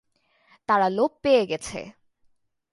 তারা লোপ পেয়ে গেছে।